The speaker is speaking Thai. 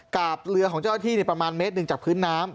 กาบเรือของเจ้าที่ประมาณ๑เมตรจากพื้นน้ำ